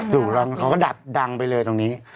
อยู่แล้วเขาก็ดับดังไปเลยตรงนี้